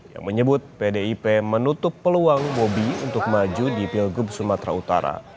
yang menyebut pdip menutup peluang bobi untuk maju di pilgub sumatera utara